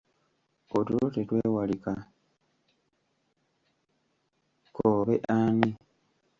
Otulo tetwewalika k'obe ani!